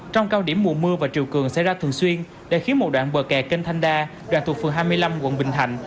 trong cao điểm mùa mưa và chiều cường xảy ra thường xuyên đã khiến một đoạn bờ kè kênh thanh đa đoạn thuộc phường hai mươi năm quận bình thạnh